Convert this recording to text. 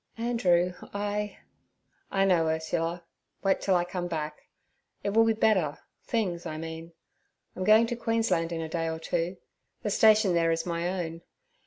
'Andrew—I—' 'I know, Ursula. Wait till I come back. It will be better—things, I mean. I'm going to Queensland in a day or two; the station there is my own.